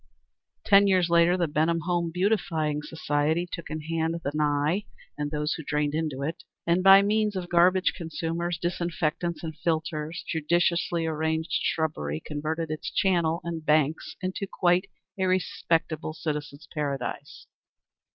Ten years later the Benham Home Beautifying Society took in hand the Nye and those who drained into it, and by means of garbage consumers, disinfectants, and filters and judiciously arranged shrubbery converted its channel and banks into quite a respectable citizens' paradise.